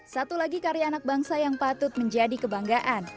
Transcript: satu lagi karya anak bangsa yang patut menjadi kebanggaan